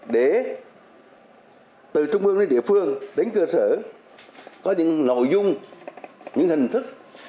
để từ trung ương đến địa phương đến cơ sở có những nội dung những hình thức